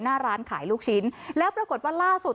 หน้าร้านขายลูกชิ้นแล้วปรากฏว่าล่าสุด